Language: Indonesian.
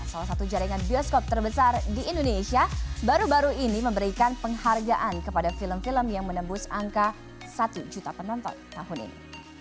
salah satu jaringan bioskop terbesar di indonesia baru baru ini memberikan penghargaan kepada film film yang menembus angka satu juta penonton tahun ini